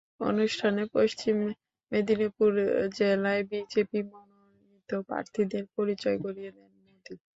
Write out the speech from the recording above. অনুষ্ঠানে পশ্চিম মেদিনীপুর জেলার বিজেপি মনোনীত প্রার্থীদের পরিচয় করিয়ে দেন মোদি।